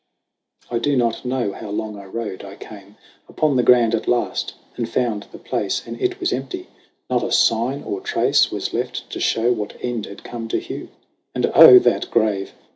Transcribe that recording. " I do not know how long I rode : I came Upon the Grand at last, and found the place, And it was empty. Not a sign or trace Was left to show what end had come to Hugh. And oh that grave